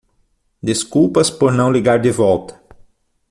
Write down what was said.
Desculpas por não ligar de volta.